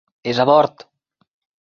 És a bord.